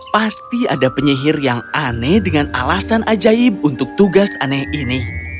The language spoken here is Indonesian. pasti ada penyihir yang aneh dengan alasan ajaib untuk tugas aneh ini